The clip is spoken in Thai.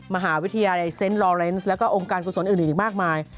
มหาวิทยาลัยเซ็นต์รอเลนส์แล้วก็องค์การกุศลอื่นอีกมากมาย